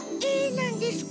なんですか？